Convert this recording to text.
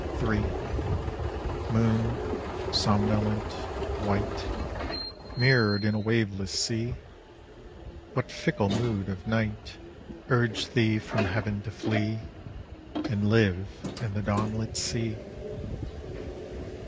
Ill Moon, Somnolent, white, Mirrored in a waveless sea, What fickle mood of night Urged thee from heaven to flee And liv« in the dawnlit sea!